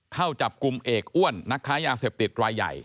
เข้าจับกลุ่มเอกอ้วนนักค้ายาเสพติดรายใหญ่